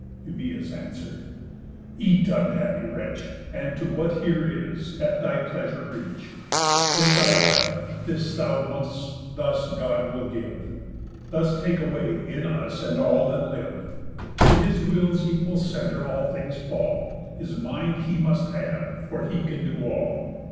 Eumæus answer'd: "Eat, unhappy wretch, And to what here is at thy pleasure reach. This I have, this thou want'st; thus God will give, Thus take away, in us, and all that live. To his will's equal centre all things fall, His mind he must have, for he can do all."